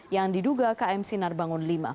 yang diduga km sinar bangun v